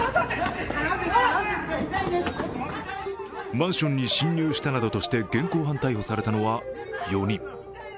マンションに侵入したなどとして現行犯逮捕されたのは４人。